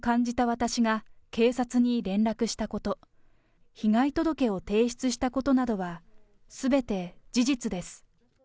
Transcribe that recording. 私が警察に連絡したこと、被害届を提出したことなどは、すべて事実です。